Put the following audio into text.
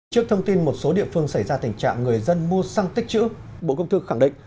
trước thông tin một số địa phương xảy ra tình trạng người dân mua xăng tích chữ bộ công thương khẳng định